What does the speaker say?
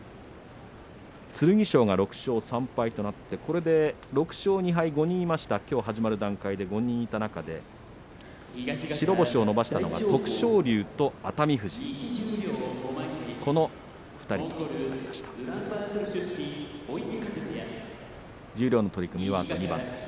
剣翔が６勝３敗となって、これで６勝２敗、５人いましたきょう始まる段階で５人いた中で白星を伸ばしたのは徳勝龍と熱海富士、この２人です。